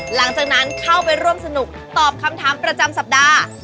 หลังจากนั้นเข้าไปร่วมสนุกตอบคำถามประจำสัปดาห์